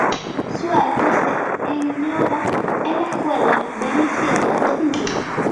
Su arte se engloba en la Escuela veneciana de pintura.